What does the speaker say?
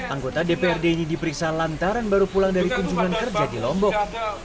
anggota dprd ini diperiksa lantaran baru pulang dari kunjungan kerja di lombok